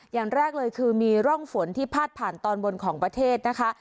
อย่างแรกเลยคือมีร่องฝนที่พาดผ่านตอนบนของประเทศนะคะ